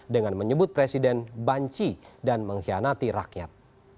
dengan menyebut presiden banci dan mengkhianati rakyat